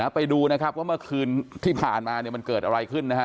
ไปดูนะครับว่าเมื่อคืนที่ผ่านมามันเกิดอะไรขึ้นนะฮะ